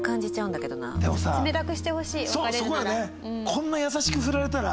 こんな優しくフラれたら。